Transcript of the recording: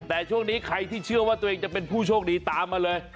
แต่ช่วงนี้ใครที่เชื่อว่าตัวเองจะเป็นผู้โชคดีตามมาเลย